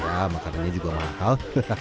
ya makanannya juga mahal